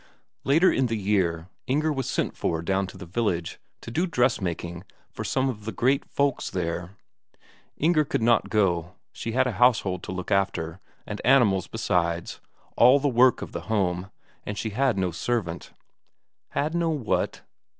Later in the year Inger was sent for down to the village, to do dressmaking for some of the great folks there. Inger could not go; she had a household to look after, and animals besides, all the work of the home, and she had no servant. Had no what?